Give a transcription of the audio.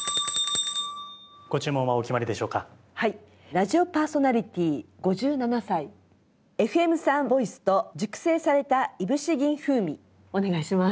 「ラジオパーソナリティー５７歳ＦＭ産ボイスと熟成されたいぶし銀風味」お願いします。